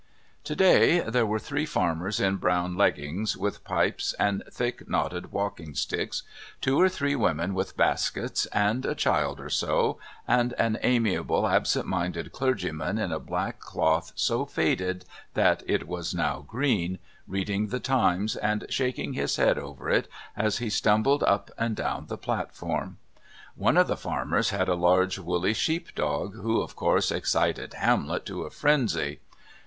Today there were three farmers in brown leggings, with pipes, and thick knotted walking sticks, two or three women with baskets, and a child or so, and an amiable, absent minded clergyman in a black cloth so faded that it was now green, reading The Times, and shaking his head over it as he stumbled up and down the platform. One of the farmers had a large, woolly sheep dog, who, of course, excited Hamlet to a frenzy.